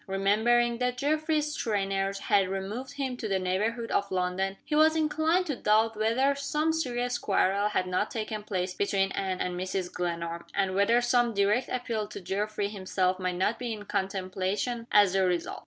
Remembering that Geoffrey's trainers had removed him to the neighborhood of London, he was inclined to doubt whether some serious quarrel had not taken place between Anne and Mrs. Glenarm and whether some direct appeal to Geoffrey himself might not be in contemplation as the result.